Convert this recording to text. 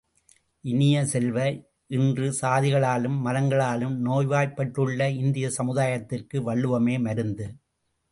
இனிய செல்வ, இன்று சாதிகளாலும் மதங்களாலும் நோய்வாய்ப்பட்டுள்ள இந்திய சமுதாயத்திற்கு வள்ளுவமே மருந்து!